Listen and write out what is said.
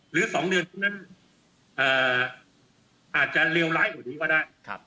หรือสองเดือนข้างหน้านั้นอ่าอาจจะเลวร้ายกว่านี้ก็ได้ครับ